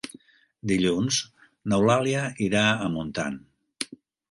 Dilluns n'Eulàlia irà a Montant.